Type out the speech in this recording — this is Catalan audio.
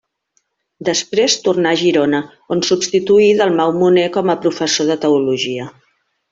Després tornà a Girona, on substituí a Dalmau Moner com a professor de teologia.